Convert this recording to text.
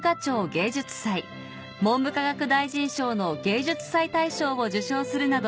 芸術祭文部科学大臣賞の芸術祭大賞を受賞するなど